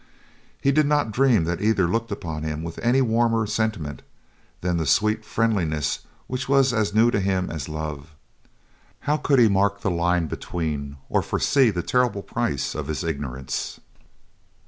He did not dream that either looked upon him with any warmer sentiment than the sweet friendliness which was as new to him as love—how could he mark the line between or foresee the terrible price of his ignorance!